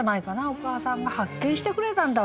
「お母さんが発見してくれたんだ